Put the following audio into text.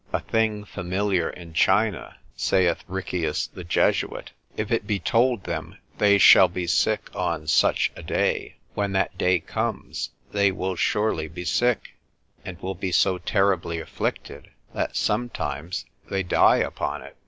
A thing familiar in China (saith Riccius the Jesuit), If it be told them they shall be sick on such a day, when that day comes they will surely be sick, and will be so terribly afflicted, that sometimes they die upon it.